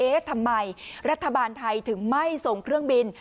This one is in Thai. ทำไมรัฐบาลไทยถึงไม่ส่งเครื่องบิน